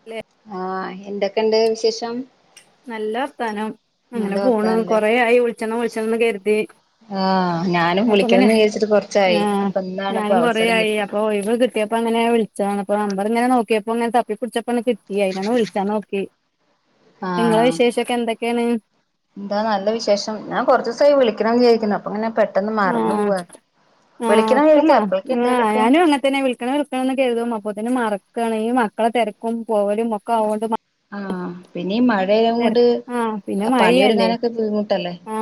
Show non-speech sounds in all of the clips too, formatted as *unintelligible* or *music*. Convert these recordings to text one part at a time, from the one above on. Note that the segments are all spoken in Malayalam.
*unintelligible* ആഹ് എന്തേക്കെയ്ണ്ട് വിശേഷം? നല്ല വർത്താനം നല്ല അങ്ങനെ പോണ് വർത്താനല്ലേ കൊറേ ആയി വിൾച്ചണം വിൾച്ചണം ന്ന് കരുതി ആഹ് ഞാനും അപ്പൊ ഇങ്ങനെ വിളിക്കണംന്ന് വിചാരിച്ചിട്ട് കുറച്ചായി അപ്പൊ ഇന്നാണ്പ്പ അവസ ആയിയായി അപ്പൊ ഒയിവ് കിട്ടിയപ്പോ അങ്ങനെ വിളിച്ച അപ്പ നമ്പർ ഇങ്ങന നോക്കിയപ്പോ അങ്ങനെ തപ്പി പിടിച്ചപ്പോ കിട്ടി അയ്നാണ് വിളിച്ചാ നോക്കി നിങ്ങളെ ആഹ് വിശേഷൊക്കെ എന്തൊക്കെയാണ് എന്താ നല്ല വിശേഷം ഞാൻ കൊറച്ചൂസായി വിളിക്കണംന്ന് വിചാരിക്കുന്നു അപ്പൊ അങ്ങനെ പെ ആഹ ആഹ വിചാരിക്ക ഒട്ടുമാ അപ്പളേക്ക് ആ എന്തേലൊക്കെ ഞാനും അങ്ങന തന്നെ വിളിക്കണം വി ന്നൊക്കെ കരുതും അപ്പോത്തിന് മറക്കാണ് മക്കളെ തിരക്കും പോവലും ഒക്കെ ആകൊണ്ട് ആഹ പിന്നീ മഴയായ കൊണ്ട് ആ പിന്നെ മഴയല്ലേ പണിയൊരുങ്ങാനൊക്കെ ബുദ്ധിമുട്ടല്ലേ ആ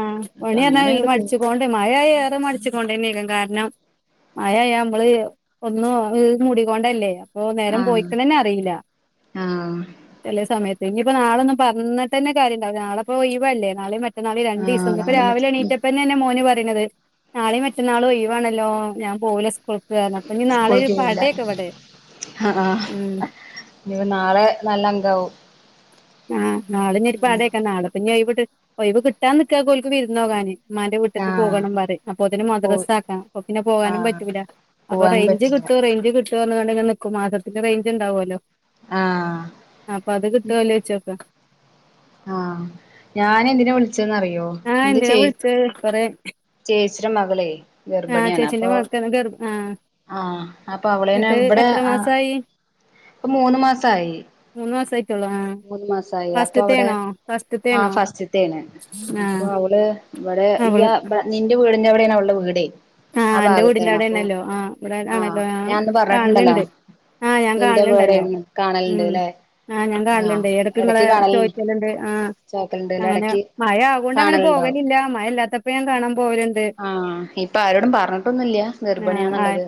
അപ്പൊ പണി പറഞ്ഞാ അങ്ങനെ ഈ അങ്ങട് പോവും മടിച്ച്ക്കൊണ്ട് മഴ ഏറെ മടിച്ച്ക്കൊണ്ടെന്നേ കാരണം മഴായ നമ്മള് ഒന്നും മൂഡി കൊണ്ടല്ലേ ഓ നേരം ആഹ് പോയിക്കണന്നെ അറിയില്ല ആഹ് ചെലേ സമയത്ത് ഇനിപ്പോ നാളൊന്നും പറഞ്ഞിട്ട ന്നെ കാര്യംണ്ടാവൂല നളെപ്പൊ ഒയിവല്ലേ നാളെ മ എന്നാള് ആഹ് രണ്ടീസം നാളെ രാവിലെ ഇനി എണീറ്റപ്പന്നെ മോന് പറ നാളീം മറ്റന്നാളും ഒയിവാണല്ലോ ഞാൻ പോവൂല സ്കൂൾക്ക് *unintelligible* അപ്പൊഞ്ഞി നാളെ ഒരു സ്കൂളിക്ക് പോവില്ല പടെയ്ക്കും ഇവിടെ ഉം ഉം നാളെ നല്ല അംഗാവും ആഹ് നാളെ ന്നി പടയാക്കാ നാളെപ്പിന്നെ ഒയ് വ്ട്ട് ഒയ്‌വ് കിട്ടാൻ നിക്കാ ഓല്ക്ക് വിരുന്നോകാാന് ഉമ്മാന്റെ വീട്ടേക്ക് ആഹ് പോകണമ്ന്ന് പറയും അപ്പൊതെനും പോയി മദ്രസ്സ ആക്കാം അപ്പൊ പിന്നെ പോകാനും ആഹ് പറ്റൂല അപ്പൊ പോവാൻ റേഞ്ച് പറ്റില്ല കിട്ടോ റേഞ്ച് കിട്ടുവൊന്ന്ണ്ടങ്ങനെ നിക്കും മാസത്തിന്റെ റേഞ്ച് ഉണ്ടാവുവല്ലോ ആഹ് അപ്പൊ അത് കിട്ടുവല്ലോ ചോയിച് നോക്ക് ആഹ് ഞാന് എന്തിന വിളിചെന്നറിയോ ആ എന്റെ എന്തിനാ ചേ വിളിച്ചത് കൊറെ ചേച്ചിടെ മകളെ ആഹ് ഗർഭിണിയാണ് ചേച്ചിന്റെ അപ്പൊ മക്കള് തന്നെ ഗർ ആഹ് ആഹ് അപ്പൊ അവളനെ ഇവിടെ ആഹ് മാസായി ഇപ്പ മൂന്ന് മാസായി മൂന്ന് മാസായിട്ടുള്ളൂ ആ മൂന്ന് മാസായി അപ്പ ഇവിടെ ഫസ്റ്റ്ത്തെയാണോ ഫസ്റ്റ്ത്തെയാണോ ആഹ് ഫസ്റ്റത്തെ ആണ് ആ അപ്പോ അവള് ഇവിടെ ഇ അവള് യാ നിന്റെ വീടിന്റെ അവിടെയാണ് അവള്ടെ വീട് ആഹ് എന്റെ വീടിന്റെ അവിടെണല്ലോ ആഹ് ഇവിടെ ആണല്ലോ ആഹ് ഞാനന്ന് പറഞ്ഞിട്ടുണ്ടല്ലോ കാണലുണ്ട് ആഹ് ഞാൻ നിന്റെ കാണലുണ്ടല്ലോ വീടെന്ന് ഉമ് കാണലുണ്ട്ല്ലേ ആഹ് ഞാൻ കാണലുണ്ട് ഇടക്ക് നിങ്ങള് എടക്ക് ചോയ് കാണലുണ്ട് ലുണ്ട് ആഹ് ചാക്കലുണ്ട് അങ്ങനെ ഇടക്ക് മഴ ആവൊണ്ട് അങ്ങനെ കാണലുണ്ടാവും പോകലില്ല മഴയില്ലാത്തപ എപ്പഴും കാണാൻ പോകലുണ്ട് ആഹ് ഇപ്പ ആരോടും പറഞ്ഞിട്ടൊന്നുല്ല്യ ആഹ് ആഹ്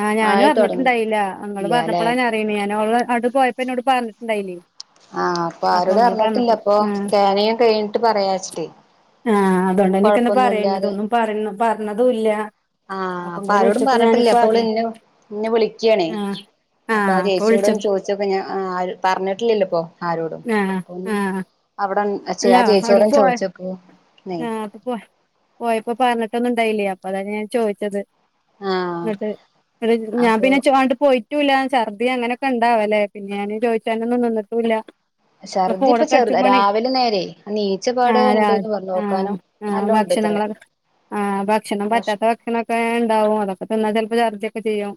ആഹ് ഞാനും തുടങ്ങിയിട്ടില്ല അറിഞ്ഞിട്ടുണ്ടായില്ല ഇങ്ങള് ഇല്ലല്ലെ പറഞ്ഞപ്പോള ആ ഞാന് *unintelligible* പോയപ്പോ എന്നോട് പറഞ്ഞിട്ടണ്ടായിന് ആഹ് അപ്പൊ ആരോട് അറിഞ്ഞിട്ടില്ലപ്പൊ ആഹ് സ്കാനിങ് കഴിഞ്ഞിട്ട് പറയാന്ന് വെച്ചിട്ട് ആഹ് അതുകൊണ്ട്ന്നെക്കാ പറയുന്നതൊന്നും പറയ് പറഞ്ഞ ഇല്ല ആഹ് അപ്പൊ ഇങ്ങള് ആരോടും വിളിച്ചപ്പോ ഞാനിപ്പ പറഞ്ഞിട്ടില്ല അപ്പൊ അവള് അറിയ ഇന് ഇന്നെ വിളിക്കാണ് ആഹ് അപ്പൊ ആഹ് ചേച്ചിയോട് ചോദ ച്ചൊക്കെ ആഹ് പറഞ്ഞിട്ടില്ലില്ലപ്പോ ആരോടും ആഹ് അപ്പൊപിന്നെ ആഹ് അവിടെ ആ ചേ അല്ല ചേച്ചിയോട് ചോയിച്ചു നോക്ക് നീ ഇപ്പൊ പോയപ്പോ പറഞ്ഞിട്ടൊന്നും ഉണ്ടായില്ല അപ്പൊ അതാണ് ഞാൻ ചോദിച്ചത് ആഹ് എന്നിട്ട് *unintelligible* ഞാൻ അപ്പൊ പിന്നെ *unintelligible* പോയി റ്റൂല്ല ഛർദി അങ്ങനൊക്കെ ഉണ്ടാവല്ലേ പിന്നെ ഞാന് ചോദിച്ചാനൊന്നും നിന്നിട്ടുല്ല ഛർദ്ദി ഇപ്പ ഫോണൊക്കെ ചെറു അടിച്ചുമ്പണേ രാവിലെ നേരെയായി നീ ആഹ് രാ ആഹ് ആഹ് നല്ലോണ്ട് ഇത്രേ ഭക്ഷണങ്ങളക്കെ ആഹ് ഭക്ഷണം ഭക്ഷ പറ്റാത്ത ഭക്ഷണൊക്കെ *unintelligible* ഉണ്ടാവും അതൊക്കെ തിന്ന ചിലപ്പോ ഛർദിയൊക്കെ ശെരിയാവും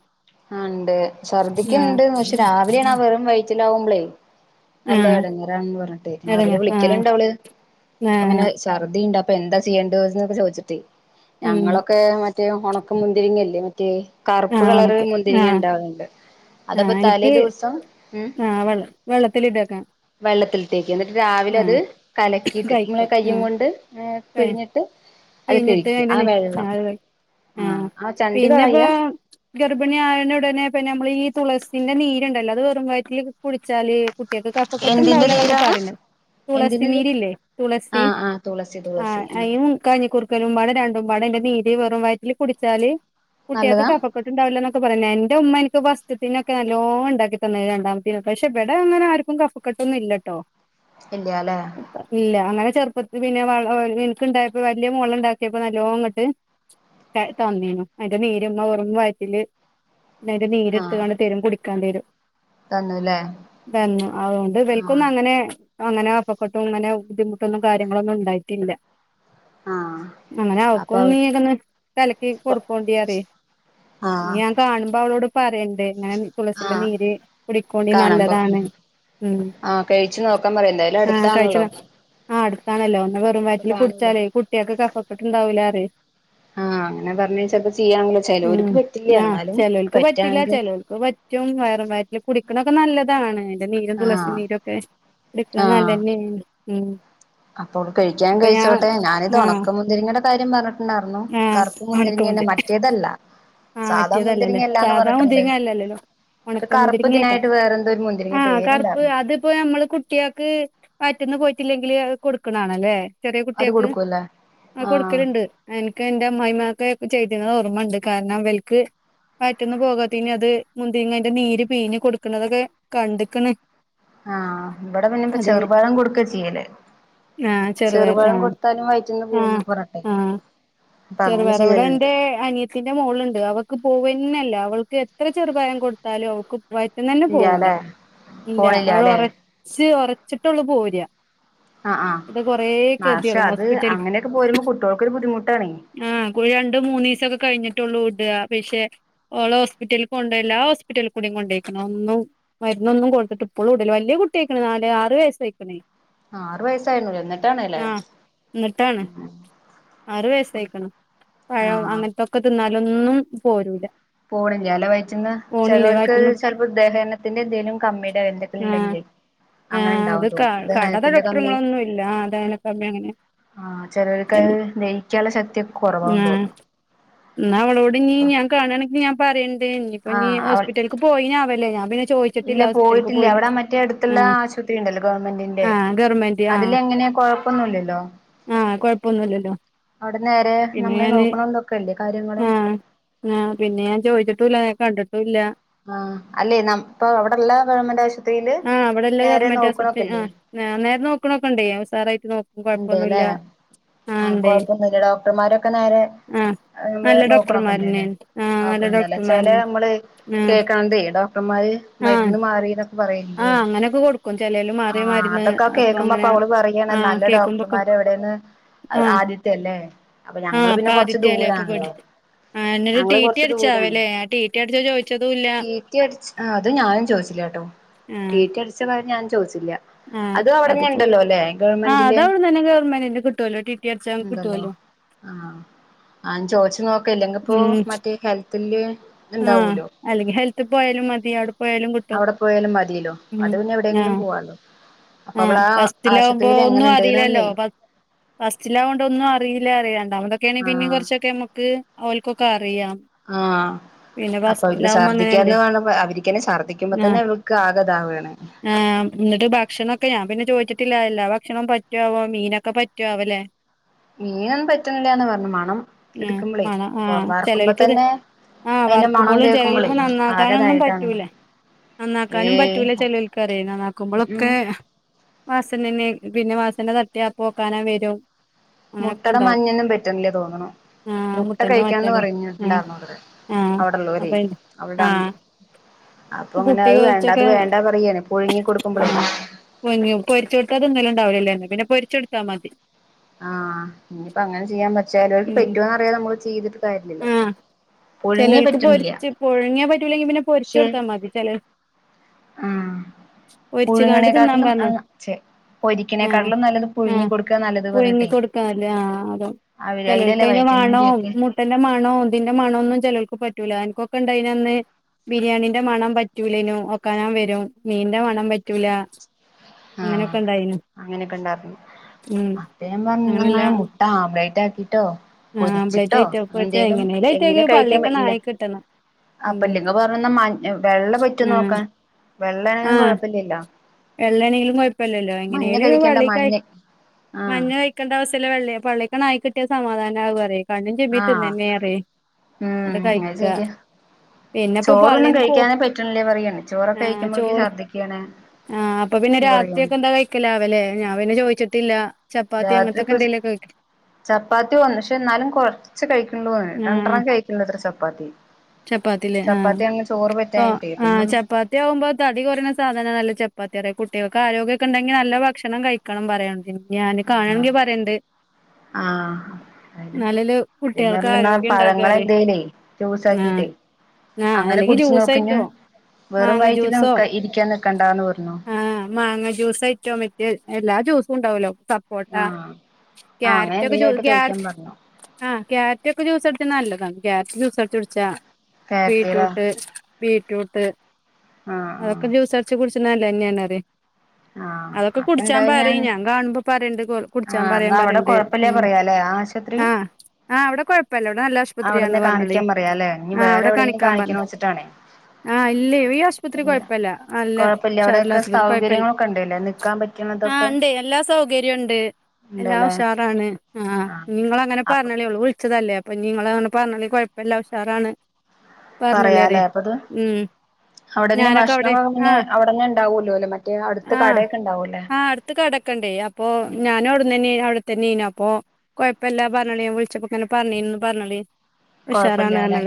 ആഹ് ണ്ട് ഛർദിക്ക്‌ണ്ട് പക്ഷെ രാവിലെ ആ വെറും വയറ്റില് ആവുമ്പളേ നല്ല ആഹ് ഇടങ്ങേറണെന്ന് പറഞ്ഞിട്ട് അതന്നെ രാവിലെ ആഹ് വിളിക്കല്ണ്ട് അവള് അപ്പൊ ങ്ങനെ ആഹ് ഛർദ്ദിണ്ട് അപ്പൊ എന്താ ചെയ്യേണ്ടത് ചോദിച്ചിട്ട് ഉം ഞങ്ങളൊക്കെ മ റ്റേ ഉണക്ക മുന്തിരിങ്ങയില്ലേ മറ്റേ കറുപ്പ് ആഹ് കളർ മുന്തിരിങ്ങ ഉണ്ടാവുന്നുണ്ട് ആ നിക് ആഹ് വെള്ള വെള്ളത്തില് ഇട്ട് വെക്ക്ണം വെള്ളത്തിലിട്ട് വെക്കും എന്നിട്ട് രാവിലെ അത് കലക്കിയിട്ട് കഴിക്ക ഇങ്ങനെ കയ്യും ആഹ് കൊണ്ട് പി പിഴിഞ്ഞിട്ട് അത് പിഴിഞ്ഞിട്ട് കഴിക്ക അതിന്റെ ആ നി വെള്ളം അത് കഴി ആഹ് ആ ചണ്ടി കളയ്യാ ഗർഭിണി ആയാല് ഉടനെ പിന്നെ നമ്മള് ഈ തുളസിന്റെ നീരുണ്ടല്ലോ അത് വെറും വയറ്റിൽ കുടിച്ചാല് കുട്ടികൾക്ക് എന്തിന്റെ കഫാക്കെട്ട്ണ്ടാവില്ല എന്നൊക്കെ നീരാണ് പറയുന്ന് തുളസി എന്തിന്റെ നീ നീരില്ലേ തുളസി ആഹ് ആഹ് തുളസി തുളസി ആ ആഹ് യിന് കഞ്ഞി കുറക്കലുംപടോ രണ്ടും പാടോ ആയിന്റെ നീര് വെറും വയറ്റില് കുടിച്ചാല് കുട്ടികൾക്ക് നല്ലതാ കഫ കഫകേട്ട്ണ്ടാവില്ലന്നൊക്കെ പറയ് എന്റെ ഉമ്മ എനിക്ക് ഫസ്റ്റത്തെനൊക്കെ നല്ലോ ഉണ്ടാക്കി തന്നത് രണ്ടാമത്തെന് പക്ഷെ ഇവിടെ അങ്ങനെ ആർക്കും കഫ കഫക്കെട്ടൊന്നുംമ് ഇല്ലട്ടോ ഇല്ല്യാലേ ഇല്ല അങ്ങനെ ചെറുപ്പത്തി പിന്നെ വള് എനക്ക് ഇണ്ടായപ്പോ വലിയ മോള് ഇണ്ടാക്കിയപ്പോ നല്ലോണ അങ്ങട്ട് തന്നീനു അതിന്റെ നീര് മ്മ വെറും വയറ്റില് ആയിന്റ നീരെടുത്ത് ആഹ് ങ്ങട്തെരും കുടിക്കാന് തരും തന്നുല്ലേ തന്നു അതുകൊണ്ട് ആഹ് ഇവൾക്കൊന്നും അങ്ങനെ അങ്ങനെ അപ്പക്കൊട്ടും അങ്ങനെ ബുദ്ധിമുട്ടൊന്നും കാര്യങ്ങളൊന്നും ഉണ്ടായിട്ടില്ല. ആഹ് അങ്ങനെ അവക്ക് അപ്പൊ ഒന്ന് നീ കലകീ കൊടുക്കോണ്ടിറിയ ആഹ് ആഹ് കാണുമ്പോ അവളോട് പറയണ്ട് അങ്ങനെ തുളസിന്റെ ആഹ് നീര് കുടിക്കോണ്ടി നല്ലതാണ് ഉ ആഹ കഴിച്ചു നോക്കാൻ പറയും എന്ത യലും അടുത്താണല്ലോ ആ അടുത്താണല്ലോ ഒന്ന് വെറും അപ്പൊ വയറ്റിൽ കാണൂലോ കുടിച്ചാലേ കുട്ടിയൊക്ക് കഫക്കെട്ട്ണ്ടാവൂലാറ ആഹ് ആഹ അങ്ങനെ പറഞ്ഞിച്ചപ്പ ചെയ്യാല്ലോ ചിലർക്ക് ഉം പറ്റില്ല എന്നാലും പറ്റാ ഏറ്റവും വയറും വയറ്റിൽ കുടിക്കണൊക്കെ നല്ലതാണ് ആയിന്റെ നീരും തുളസി ആഹ് നീരുക്കെ കുടിക്ക നല്ലന്നെ ഉ അപ്പോ ഒള് കഴിക്കാൻ കഴിച്ചോട്ടെ ഞാന് ഇത് ആഹ് ഉണക്ക മുന്തിരിങ്ങയുടെ കാര്യം പറഞ്ഞിട്ടുണ്ടായിരുന്നു ആഹ് കറുപ്പ് മുന്തിരിങ്ങിന്നെ ഒണക്കമുന്തിരി മറ്റേതല്ല ആഹ് സാധാ മറ്റോത് ല്ലല്ലേ മുന്തിരിങ്ങല്ലാന്ന് സാധാ പറഞ്ഞിട്ടുണ്ട് മുതിരിങ്ങ അല്ലല്ലല്ലോ ഒരു ഉണക്ക കറുപ്പ് മുന്തിരിങ്ങിയൊടോ ഇതിനായിട്ട് വേറെന്തോ ഒരു മുന്തിരിങ്ങ ആഹ് കറുപ്പ് പേരുണ്ടായിരുന്നു അതിപ്പോ നമ്മള് കു കുട്ടികൾക്ക് പയറ്റിന്ന് പോയിട്ടില്ലെങ്കില് കൊടുക്കണണല്ലേ ചെറിയ അത് കുട്ടിയക്ക് കൊടുക്കുവല്ലേ ആ ആഹ് കൊടുക്കലുണ്ട് എനിക്ക് എന്റെ അമ്മായിമാക്കെക്കെ ചെയ്തിുന്നത് ഓർമ്മുണ്ട് കാരണം വൽക്ക് പയറ്റിന്ന് പോകാത്തനി അത് മുന്തിങ്ങന്റെ നീര് പിഞ്ഞ് കൊടുക്കണതൊക്കെ കണ്ട്ക്ക്ണ്. ആഹ് ഇവിടെ പിന്നെ ഇപ്പ അതെ ചെറുപാഴം കൊടുക്ക ചെയ്യല് ആഹ് ചെറുപയർ ചെറുപഴം ആഹ് കൊടുത്താലും വയറ്റിന്ന് ആഹ് പോകുന്ന് പറഞ്ഞിട്ട് ആഹ് അപ്പ അങ്ങനെ ചെറുപയർ ഇവിടെ ചെയ്യലുണ്ട്. എന്റെ അനിയത്തിന്റെ മോളുണ്ട് അവൾക്ക് പോവ്വന്നില്ല അവൾക്ക് എത്ര ചെറുപയം കൊടുത്താലും അവക്ക് വയറ്റ്ന്ന് തന്നെ പോവുല ഇല്ലാല്ലേ ഇല്ല അവള് പോണില്ലാല്ലേ ഉറച്ച് ഉറച്ചിട്ട്ള്ള് പോവ. ആ ആ പക്ഷെ ഗതികേടാ അത് ഹോസ്പിറ്റൽ അങ്ങനെയൊക്കെ പോരുമ്പോ കുട്ടികൾക്കൊരു ബുദ്ധിമുട്ടാണൊ. ആഹ് രണ്ട് മൂന്ന് ദിവസക്കെ കഴിഞ്ഞിട്ടുള്ളൂ ഇട് പക്ഷെ ഓള ഹോസ്പിറ്റല കൊണ്ടണ്ട് എല്ലാ ഹോസ്പിറ്റലിൽ കൂടെ കൊണ്ടോയിക്ണ് ഒന്നും മരുന്നൊന്നും കൊടുത്തിട്ട് ഇപ്പോളുല വലിയ കുട്ടി ആയിക്ക്ണ് നാല് ആറ് വയസ്സായിക്ക്ണ് ആറ് വയസ്സായിരുന്നു എന്നിട്ടണ്ല്ലേ ആറു വയസായിക്ക്ണ് പഴം ആഹ് അങ്ങനത്തൊക്കെ തിന്നാലൊന്നും പോരൂല്ല പോണില ലോ വഴറ്റിന്ന് ചോലോർക്ക് വയറ്റ്ന്ന് ചിലപ്പോ ദഹനത്തിന്റെ എന്തേലും കമ്മിയുടെ എന്നതൊക്ക ആഹ് ഉണ്ടെങ്കി ആഹ് അത് കടക കമ്മി ഡോക്ടറങ്ങളൊന്നും ഇല്ല ഥഹന കമ്മീ അങ്ങനെ ആഹ് ചിലർക്ക്ത് ദെഹിയിക്കാനുള്ള ശക്തിയക്കെ കുറവാണെന്ന് ആഹ് തോന്നുന്നു. എന്നാ അവളോട് നീ അപ്പൊ ഞാൻ കാണെങ്കിൽ ഞാൻ പറയണ്ട് ഇനിയിപ്പൊ നീ ആഹ് അവൾ ഹോസ്പിറ്റല പോയിനാവല്ലോ ഞാൻ പിനെ ചോ ഇല്ല പോയിട്ടില്ല. അവിടെ മറ്റേ അടുത്തുള്ള ആശുപത്രി ഉണ്ടല്ലോ ഗവൺമെന്റിന്റെ ആഹ് ഗവൺമെന്റ് അതിൽ എങ്ങനെ ഴപ്പൊന്നുല്ലല്ലോ ആഹ കൊഴപ്പൊന്നുല്ലല്ലോ അവിടെ നേരെ പിന്നെ നമ്മെ ഞാന് നോക്കണള്ളൊക്കെല്ലേ കാര്യങ്ങളും ആ പിന്നെ ഞാൻ ചോദിച്ചിട്ടുല്ല ഞാൻ കണ്ടിട്ടുല്ല ആഹ അല്ലെ ന ഇപ്പൊ അവിടെള്ള ഗവൺമെന്റ് ആശുപത്രിയില് ആഹ് അവിടെല്ല നേരെ ഗവൺമെന്റ് ആശുപത്രി നോക്കണൊക്കല്ല്യ ആഹ് നേരെ നോക്ക്ണകണ്ട് ഉസാറായിട്ട് നോക്ക ഉണ്ട്ല്ലേ ആഹ കൊഴപ്പൊന്നുല്ല ഡോക്ടർമാരൊക്കെ നേരെ ആഹ് നല്ല നോക്കണൊക്കെണ്ട് അല്ലേ ഡോക്ടർമാരന്നെയാണ് ആഹ് നല്ല നോക്ക്ണ്ടല്ലെ ചെില ഡോക്ടർമാരന്നെ നമ്മള് ആഹ് കേക്കാണ്ട് ഡോക്ടർമാര് ആഹ് മരുന്ന് മാറിന്നൊക്കെ പറയില്ലേ ആഹ് അങ്ങനൊക്കെ കൊടുക്കും ചെലേല് ആ മാറിയ മരുന്ന് അതൊക്കെ അപ്പൊ അങ്ങനെ കേക്കുമ്പോപ്പൊ അവള് പറയാണ് ആഹ് നല്ല കേക്കുമ്പൊക്കെ ഡോക്ടർമാര് എവിടെന്ന് ആഹ് ആദ്യത്തെല്ലേ അപ്പം ഞങ്ങള് പിന്നെ കെറച്ച് ദൂരെ ആ എന്നൊരു ടി ടി ദൂരാണ് അടിച്ചാവല്ലേ ആ ടി ടി അടിച്ച ചോദിച്ചതുംല്ല ടി ടി അട്ച്ച് അത് ഞാനും ചോദിച്ചില്ല ട്ടോ ടി ആഹ് ടി അടിച്ച കാര്യം ഞാനും ചോദിച്ചില്ല. അതും അവിടന്നെ ഉണ്ടല്ലോ അല്ലെ ഗവൺമെന്റ് അത് അവിട്ന്നെ ഗവമെന്റിന്റെ കിട്ടുമല്ലോ ടിറ്റി അടിച്ചാൻ കിട്ടു വല്ലോ ആഹ ആ ചോയ്ച്ചു ക്കെ അല്ലെങ്കിപ്പോ ഉം മറ്റേ ഹെൽത്തില് ആഹ് ഇണ്ടാവൂലോ? അല്ലെങ്കിൽ ഹെൽത്ത് പോയാലും മതി അവിടെ പോയാലും കിട്ടും അവിടെ പോയാലും മതില്ലോ അത് ഉം പിന്നെ എവിടെയെങ്കിലും ആഹ് പോവാല്ലോ അപ്പൊ അവള ആ ആശുപത്രിയിൽ എങ്ങനെുണ്ട് ത്തീലല്ലോ പ ഫസ്റ്റിലാവോണ്ട് ഒന്നും അറിയില്ലാറയ രണ്ടാമതൊക്കെണെ ആ പിന്നീം കൊറച്ചൊക്കെ അമ്മുക്ക് ഓൽക്കൊക്കെ അറിയാം ആഹ് പിന്നെ അപ്പൊ അവര്ക്ക് ഫസ്റ്റിലാവുമ്പോ ശർദ്ദിക്കാന്ന് അങ്ങനെയല്ലേ വേണ്പ അവരിക്കന്നെ ഛർദ്ദിക്കുമ്പോ തന്നെ ആഹ് അവൾക്ക് ആകതാവാണ് ആഹ് എന്നിട്ട് ഭക്ഷണൊക്കെ ഞാൻ പിന്നെ ചോദിച്ചിട്ടില്ല എല്ലാ ഭക്ഷണം പറ്റുആവോ മീനൊക്കെ പറ്റുആവലേ മീനൊന്നും പറ്റ്ണില്ലാന്ന് പറഞ്ഞു മണം ഇട്ക്കുമ്പളേ അഹ് ആഹ് ചെലോൽക്ക്ത് ആഹ് അതിന്റെ മണം വർക്കുമ്പോളും കേൾക്കുമ്പോളേ ചെലോൾപ്പ നന്നാക്കാനൊന്നും ആകെതായിട്ടാണ് പറ്റൂല നന്നാക്കാനും ഏയ് പറ്റൂല ചെലോൾക്കറിയ ഉം ഉം നന്നാക്കുമ്പളൊക്കെ വാസനന്നെ പിന്നെ വാസന തട്ടിയ അപ്പെ ഓക്കാനം വരും അങ്ങനൊക്കെ മുട്ടടെ ഇണ്ടാവും മഞ്ഞൊന്നും പറ്റണില്ല തോന്നണു ആഹ് മു ട്ട മുട്ടന്റെ കഴിക്കാന്ന് മറ്റല്ലേ ആഹ് പറഞ്ഞിട്ടുണ്ടാർന്നുത്രേ ആഹ് അവിടൊള്ളോരെ അപ്പൊ അയിന്റെ അവൾടെ അം ആഹ് അപ്പൊങ്ങനെ കുട്ടി അത് വേണ്ട അത് കൊറച്ചൊക്കെ വേണ്ടാ പറയാണ് പുഴുങ്ങി കൊടുക്കുമ്പളേ പുയുങ്ങിയ പൊരിച്ചൊടുത്ത തിന്നലുണ്ടാവൂലല്ലേ എന്ന പിന്നെ പൊരിച്ചൊടുത്താ മതി ആഹ് ഇനിപ്പൊ അങ്ങനെ ചെയ്യാൻ പ ചെലോൽക്ക് ഉം പെറ്റോന്നറിയാതെ നമ്മള് ചീതിട്ട് ആഹ് ചെലോൾക്ക് പറ്റുന്നില്ല പൊരിച്ച് പുഴുങ്ങിയാ പറ്റൂലെങ്കി പിന്നെ പൊരിച്ച് പക്ഷെ കൊടുത്താ മതി ചെല ആഹ് പൊരിച്ച്കാണ്ട് തിന്നാൻ പുഴുങ്ങണേക്കാട്ടിലും പറഞ്ഞ ആഹ് ച്ചേ ആഹ് പൊരിക്കണേക്കാട്ടിലും നല്ലത് പുഴുങ്ങി ആഹ് കൊടുക്ക നല്ലത് പുഴുങ്ങി പറഞ്ഞട്ടെയ് കൊടുക്കാല്ലേ ആഹ് അതോ അവരെ കൈയിലല്ലേ വൈറ്റമിൻ ടി ഒക്കെ മത്തിന്റെ മണോ ഇതിന്റെ മണോന്നും ചെലേല്ക്ക് പറ്റൂല എനിക്കൊക്കെ ഇണ്ടായിനെ അന്ന് ബിരിയാണിന്റെ മണം പറ്റൂലേനു ഓക്കാനം വെരും മീന്റെ മണം പറ്റൂല ആഹ് അങ്ങനൊക്കെ ഇണ്ടായിനു അങ്ങനൊക്കെ ഇണ്ടാർന്നു ഉം അപ്പ ഞാൻ പറഞ്ഞു ന്നാ അങ്ങനെല്ല ഇങ്ങനെ മു ട്ടാമ്പ്ലേറ്റാക്കീട്ടോ ആംബ്ലേറ്റ് പൊരിച്ചിട്ടോ ഐറ്റംസ് എന്തേലും എങ്ങനെ എങ്ങനേലായിട്ടൊക്കെ കഴിക്കാൻ വ പള്ളീക്കണ് ഇല്ല ആയി കിട്ടണം ഉം അപ്പൊല്ലിങ്ക പറഞ്ഞന്ന മ വെള്ള പറ്റോ ആഹ് നോക്കാൻ വെള്ള ആണെങ്കിലും ആഹ് കൊഴപ്പില്ലല്ലോ വെള്ളേണെങ്കിലും കൊപ്പല്ലല്ലോ മഞ്ഞ എങ്ങനേലൊന്ന് കഴിക്കേണ്ട പള്ളീക്കായി മഞ്ഞ ആഹ് മഞ്ഞ കയി ക്കണ്ട ആവശ്യല്ല വെള്ളേ പള്ളിക്കാണ്ട് ആയി കിട്ടിയ സമാധാനാവും പറയേ ആഹ് ഉം അത് ശരിയാ പിന്നെപ്പോ ചോറൊന്നും പള്ളീന്ന് പോ കഴിക്കാനേ പറ്റണില്ല പറയാണ് ചോറൊക്കെ ആഹ് കഴിക്കുമ്പോഴക്ക് ചോറ് ശർദിക്കാണ് ആഹ് അപ്പൊ പിന്നെ രാത്രിയക്കെ എന്താ കഴിക്കല് ആവല്ലേ ഞാൻ പിന്നെ ചോയിച്ചിട്ടില്ല രാത്രിപ്പൊച് ചപ്പാത്തി വന്ന് പക്ഷെ ഇന്നാലും കൊറച്ച് കഴിക്ക്ണ്ള്ളൂ ഓന് രണ്ടെണ്ണം കഴി ഇന്നത്ര ചപ്പാത്തി ചപ്പാത്തിയിലെ ചപ്പാത്തി ആണെങ്കി ചോറ് ആഹ് പറ്റാഞ്ഞിട്ടേ ആ പിന്നെ ചപ്പാ കുട്ടിയാവുമ്പൊ തടി കുറയണ സാധനാണല്ലോ ചപ്പാത്തിയാണെ കുട്ടികൾക്ക് ആരോഗ്യക്കെ ഉണ്ടെങ്കി നല്ല ഭക്ഷണം കഴിക്കണം പറയന്തിനും ഞാന് ആഹ് കാണണെങ്കി പറയണ്ട് ആഹ് അയിന് ഇന്നാലല്ലേ അതേ കുട്ടികൾക്ക് ആരോഗ്യം ഇണ്ടാകാറയ് ജ്യൂസാക്കിട്ടേ ആഹ് അങ്ങനെ അല്ലെങ്കിൽ കുടിച്ച് ജ്യൂസ് നോക്ക്ഞ്ഞ് ആയിട്ടോ വെറും മാങ്ങ വയറ്റില് ജ്യൂസോ ഇരിക്കാ നിക്കണ്ടാന്ന് പറഞ്ഞു റ്റോ മറ്റ് എല്ലാ ജ്യൂസും ഉണ്ടാവല്ലോ കോ *unintelligible* ട്ട ആഹ് ആഹ് അങ്ങനെ ക്യാരറ്റൊക്കെ എന്തേലും ആയിട്ട് കഴിക്കാൻ ക്യാരറ്റ് പറഞ്ഞു ആഹ് ക്യാരറ്റ് ഒക്കെ ജൂസ് അടിച്ച്ണ് നല്ലതാണ് ക്യാരറ്റ് ജ്യൂസ് അടിച്ച് കുടിച്ച കാരറ്റീല ബീട്രൂട്ട് ബീട്രൂട്ട് ആഹ് അതൊക്കെ ജ്യൂസടി കുറച്ച് കുടിച്ചുന്നത് നല്ലെന്നാണ് പറിയാ അ അതൊക്കെ കുടിച്ചാൻ പറി, ഞാൻ കാണുമ്പൊ പറയണ്ട് കൊർ കുടിച്ചാൻ ആഹ് പറയാൻ എന്നാ അവിടെ പറയണ്ട്. കൊഴപ്പില്ല ഉം, പറയാലേ ആശുപത്രി ആഹ് ആഹ് ഇവിടെ കൊഴപ്പവില്ല ഇവിടെ നല്ല ആശുപത്രിയാന്ന് അവിടെന്നെ പറഞ്ഞാളി കാണിക്കാൻ പറയാല്ലേ ഇനി ആഹ് വേറെ ഇവിടെ എവിടെങ്കിലും കാണിക്കാൻ പറഞ്ഞു കാണിക്കണ വെച്ചിട്ടാണേ ആഹ് ഇല്ലേ ഈ ആശുപത്രി ഇല്ല കൊഴപ്പവില്ല നല്ല ഉഷാറ് ഉള്ള ആശുപത്രി കൊഴപ്പവില്ല കണ്ടീലെ, നിക്കാൻ പറ്റ് ആഹ്, ഉണ്ട് എല്ലാ സൗകര്യവും ഉണ്ട്. എല്ലാം ഉണ്ടല്ലേ ഉഷാറാണ് ആഹ്, ഞ്ഞി ങ്ങളങ്ങനെ അപ്പൊ പറഞ്ഞളീ ഓള് വിൾച്ചതല്ലേ. അപ്പഞ്ഞ് ഇങ്ങളങ്ങനെ പറ്ഞ്ഞളി കൊഴപ്പല്ല ഉഷാറാണ് പറഞ്ഞളിപറേ പറയാലേ അപ്പത് ഉം അവിടെന്നെ ഞാനൊക്കെ ഭഷ്ണം അവിടെ വാങ്ങുമ്പന്നെ ആഹ് അവിടന്നെ ഇണ്ടാവൊല്ലോല്ലേ മറ്റേ അട്ത്ത കടയൊക്കെ ഉണ്ടാവുല്ലേ. ആഹ് അട്ത്ത് കട ക്കെണ്ടേ അപ്പോ ഞാനും അവ്ട്ന്നെ *unintelligible* ത്തെന്നേനി അപ്പൊ കൊഴപ്പല്ല പറ്ഞ്ഞളിയൻ വിളിച്ചപ്പോങ്ങനെ പറ്ഞ്ഞീന്ന് പറ്ഞ്ഞളി. കൊഴപ്പല്ലലെ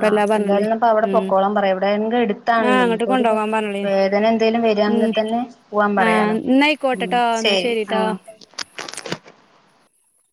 ആ പറഞ്ഞളി അപ്പന്തായാലും പ്പവ്ടെ ഉം പൊക്കോളം പറയും എവിടേങ്ക് എട്. ആ *unintelligible* അങ്ങട്ട് പ്പോരിപ്പൊ കൊണ്ടോവാൻ പറഞ്ഞളി വേദന എന്തേലും ഉം വരാണെങ്കി തന്നെ പോവാൻ ആ പറയാലോ. മ് ന്നായിക്കോട്ടെട്ടോ ന്നാ ശെരി ശരിട്ടോ ആഹ്.